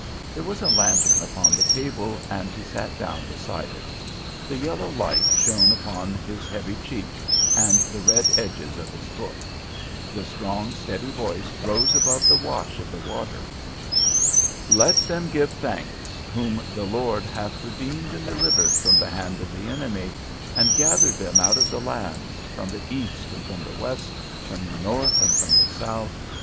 There was a lantern upon the table, and he sat down beside it. The yellow light shone upon his heavy cheek and the red edges of his book. The strong, steady voice rose above the wash of the water. "'Let them give thanks whom the Lord hath redeemed and delivered from the hand of the enemy, and gathered them out of the lands, from the east, and from the west, from the north, and from the south.